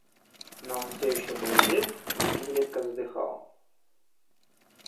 Но он всё еще был жив и изредка вздыхал.